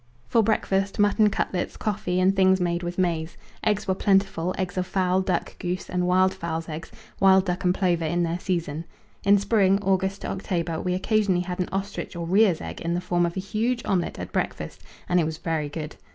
For breakfast, mutton cutlets, coffee, and things made with maize. Eggs were plentiful eggs of fowl, duck, goose, and wild fowl's eggs wild duck and plover in their season. In spring August to October we occasionally had an ostrich or rhea's egg in the form of a huge omelette at breakfast, and it was very good.